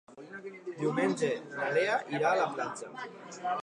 Diumenge na Lea irà a la platja.